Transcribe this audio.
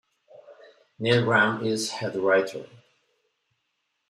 Neil Grahn is head writer.